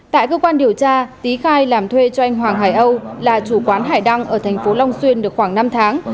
tại cơ quan điều tra tý khai làm thuê cho anh hoàng hải âu là chủ quán hải đăng ở thành phố long xuyên được khoảng năm tháng